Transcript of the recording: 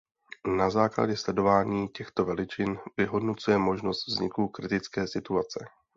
Na základě sledování těchto veličin vyhodnocuje možnost vzniku kritické situace.